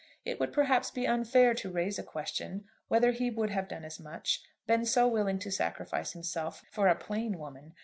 It would perhaps be unfair to raise a question whether he would have done as much, been so willing to sacrifice himself, for a plain woman.